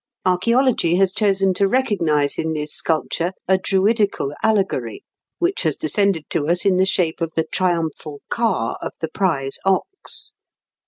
Archæology has chosen to recognise in this sculpture a Druidical allegory, which has descended to us in the shape of the triumphal car of the Prize Ox (Fig.